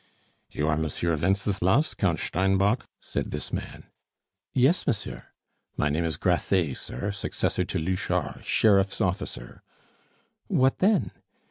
"You are Monsieur Wenceslas, Count Steinbock?" said this man. "Yes, monsieur." "My name is Grasset, sir, successor to Louchard, sheriff's officer " "What then?"